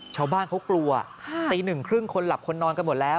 ชาวบ้านเขากลัวตี๑๓๐คนหลับคนนอนกันหมดแล้ว